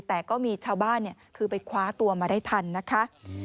แต่ก็มีชาวบ้านคือไปคว้าตัวมาได้ทันนะคะ